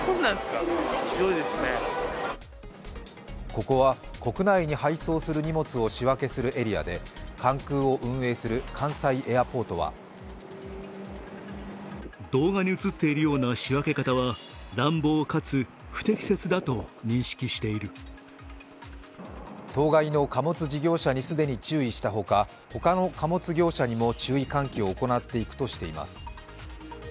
ここは国内に配送する荷物を仕分けするエリアで関空を運営する関西エアポートは当該の貨物事業者に既に注意したほか、他の貨物業者にも注意喚起を行っていくとしています。